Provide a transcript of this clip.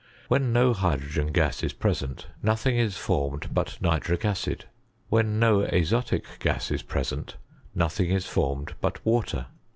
When no hydru^en gas is present, nothing is formed but nitiic acid : wlien no azotic gas is present, nothing is formed but water.